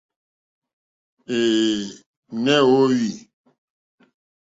Ɛ̄ɛ̄, nè óhwì.